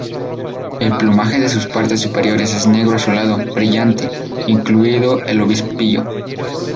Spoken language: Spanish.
El plumaje de sus partes superiores es negro azulado brillante, incluido el obispillo.